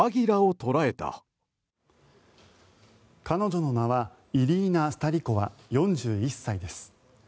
彼女の名はイリーナ・スタリコワ４１歳です。